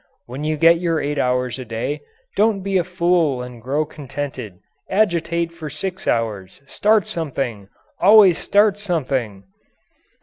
When you get your eight hours a day, don't be a fool and grow contented; agitate for six hours. Start something! Always start something!")